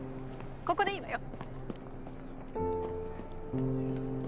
ここでいいわよ。